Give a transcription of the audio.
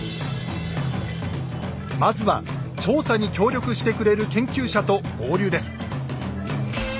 まずは調査に協力してくれる研究者と合流です。